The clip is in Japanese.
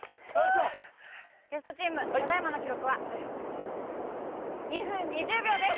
ゲストチームただいまの記録は２分２０秒です。